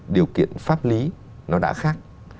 điều kiện pháp lý nó đã khác